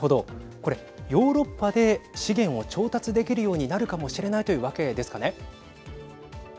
これヨーロッパで資源を調達できるようになるかもしれないというわけですかね。